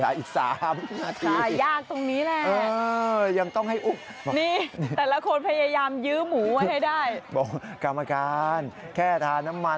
เดี๋ยวอีก๓นาที